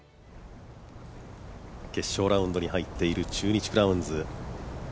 決勝ラウンドに入っている中日クラウンズ。